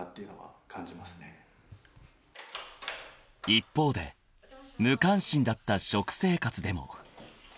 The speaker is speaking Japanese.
［一方で無関心だった食生活でも］